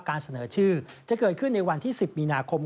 การเสนอชื่อจะเกิดขึ้นในวันที่๑๐มีนาคม